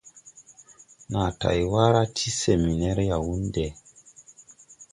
Nàa tayge wara ti seminɛr Yawunde.